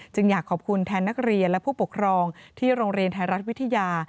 อยากขอบคุณแทนนักเรียนและผู้ปกครองที่โรงเรียนไทยรัฐวิทยา